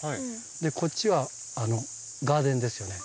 でこっちはガーデンですよね。